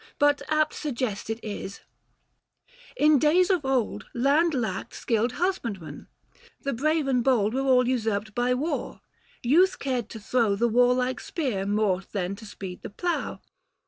But apt suggested is :— In days of old Land lacked skilled husbandmen ; the brave and bold Were all usurped by war ; youth cared to throw The warlike spear, more than to speed the plough.